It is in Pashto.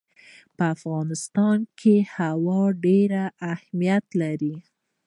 په افغانستان کې هوا ډېر اهمیت لري.